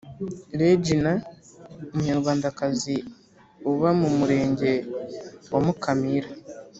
Regine umunyarwandakazi uba mu Murenge wa mukamira